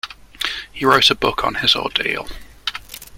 He wrote a book on his ordeal.